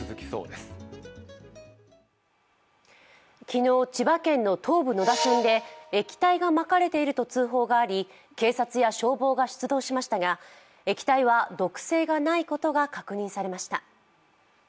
昨日、千葉県の東武野田線で液体がまかれていると通報があり警察や消防が出動しましたが液体は毒性がないことが確認されました。